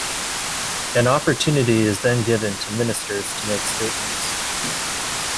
An opportunity is then given to Ministers to make statements.